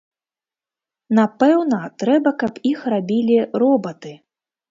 Напэўна, трэба, каб іх рабілі робаты.